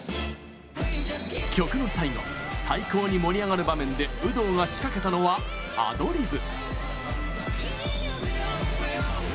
曲の最後最高に盛り上がる場面で有働が仕掛けたのは、アドリブ。